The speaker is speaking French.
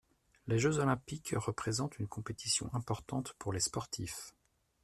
Les jeux olympiques représentent une compétition importante pour les sportifs.